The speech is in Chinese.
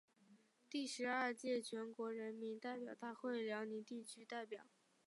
第十二届全国人民代表大会辽宁地区代表。